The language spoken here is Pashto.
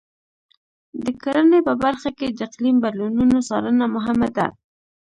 د کرنې په برخه کې د اقلیم بدلونونو څارنه مهمه ده.